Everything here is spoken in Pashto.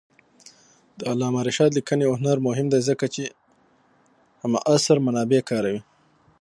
د علامه رشاد لیکنی هنر مهم دی ځکه چې همعصر منابع کاروي.